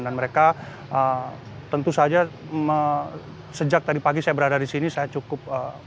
dan mereka tentu saja sejak tadi pagi saya berada di sini saya cukup